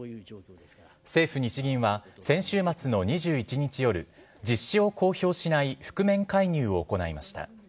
政府・日銀は先週末の２１日夜、実施を公表しない覆面介入を行いました。